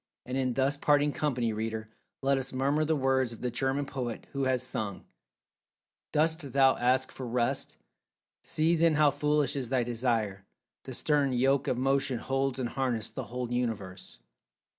And in thus parting company, reader, let us murmur the words of the German poet, who has sung: "Dost thou ask for rest? See then how foolish is thy desire; the stern yoke of motion holds in harness the whole Universe.